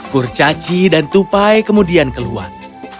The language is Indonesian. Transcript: kurcaci dan tupai kemudian keluar